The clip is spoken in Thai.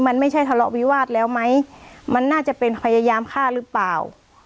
มันไม่ใช่ทะเลาะวิวาสแล้วไหมมันน่าจะเป็นพยายามฆ่าหรือเปล่า